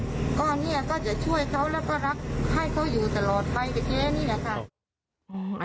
ก็เนี่ยก็จะช่วยเขาแล้วก็รักให้เขาอยู่ตลอดไปกับแกนี่แหละค่ะ